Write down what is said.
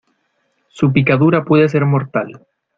su picadura puede ser mortal.